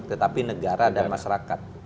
tetapi negara dan masyarakat